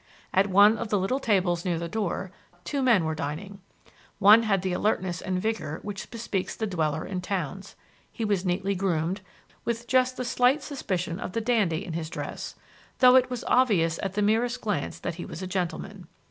At one of the little tables near the door two men were dining. One had the alertness and vigor which bespeaks the dweller in towns. He was neatly groomed, with just the slight suspicion of the dandy in his dress, though it was obvious at the merest glance that he was a gentleman.